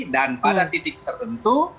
dan pada titik tertentu